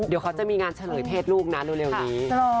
เดี๋ยวเขาจะมีงานเฉลยเพศลูกนะเร็วนี้